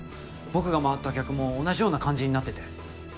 僕が回った客も同じような感じになってて。